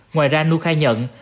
ngoài ra nhu khai nhận